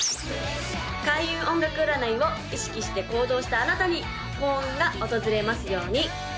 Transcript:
開運音楽占いを意識して行動したあなたに幸運が訪れますように！